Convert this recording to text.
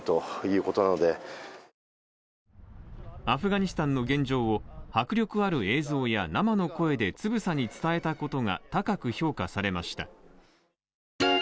アフガニスタンの現状を迫力ある映像や生の声でつぶさに伝えたことが高く評価されました。